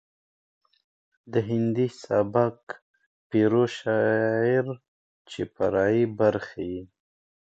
د هندي سبک پيرو شاعر چې فرعي برخې يې